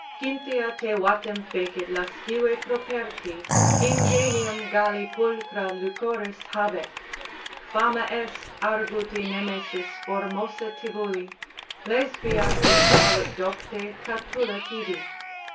Cynthia te vatem fecit lascive Properti, Ingenium Galli pulchra Lycoris habet. Fama est arguti Nemesis formosa Tibulli, Lesbia dictavit docte Catulle tibi.